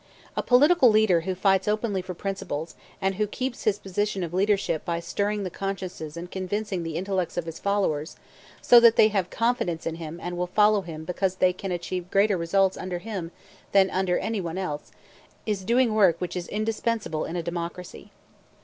A political leader who fights openly for principles, and who keeps his position of leadership by stirring the consciences and convincing the intellects of his followers, so that they have confidence in him and will follow him because they can achieve greater results under him than under any one else, is doing work which is indispensable in a democracy.